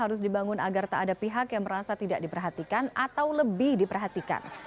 harus dibangun agar tak ada pihak yang merasa tidak diperhatikan atau lebih diperhatikan